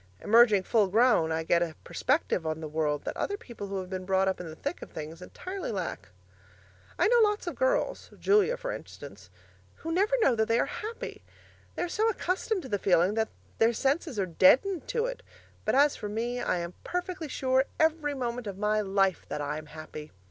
Emerging full grown, I get a perspective on the world, that other people who have been brought up in the thick of things entirely lack. I know lots of girls (Julia, for instance) who never know that they are happy. They are so accustomed to the feeling that their senses are deadened to it; but as for me I am perfectly sure every moment of my life that I am happy.